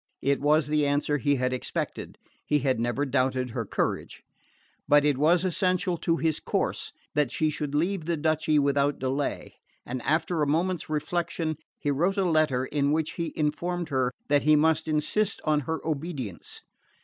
It was the answer he had expected he had never doubted her courage but it was essential to his course that she should leave the duchy without delay, and after a moment's reflection he wrote a letter in which he informed her that he must insist on her obedience.